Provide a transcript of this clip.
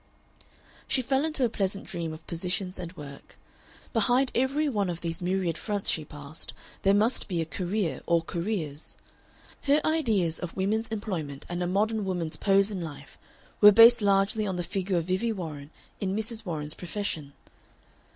She fell into a pleasant dream of positions and work. Behind every one of these myriad fronts she passed there must be a career or careers. Her ideas of women's employment and a modern woman's pose in life were based largely on the figure of Vivie Warren in Mrs. Warren's Profession.